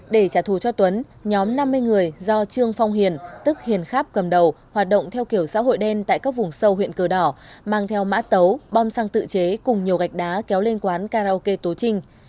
để trả thù cho tuấn nhóm năm mươi người do trương phong hiền tức hiền khát cầm đầu hoạt động theo kiểu xã hội đen tại các vùng sâu huyện cờ đỏ mang theo mã tấu bom xăng tự chế cùng nhiều gạch đá kéo lên quán karaoke tố trinh